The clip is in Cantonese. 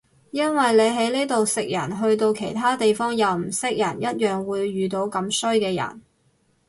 因為你喺呢度食人去到其他地方又唔識人一樣會遇到咁衰嘅人